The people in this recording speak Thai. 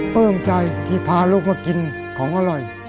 ปลื้มใจที่พาลูกมากินของอร่อย